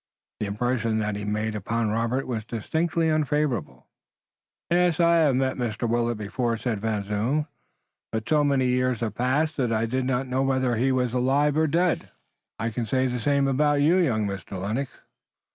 The impression that he made upon Robert was distinctly unfavorable. "Yes, I have met Mr. Willet before," said Van Zoon, "but so many years have passed that I did not know whether he was still living. I can say the same about young Mr. Lennox."